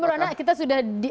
ya menurut anda kita sudah di